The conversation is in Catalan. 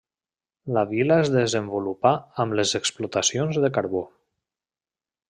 La vila es desenvolupà amb les explotacions de carbó.